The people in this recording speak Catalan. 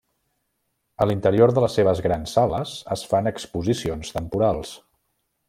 A l'interior de les seves grans sales es fan exposicions temporals.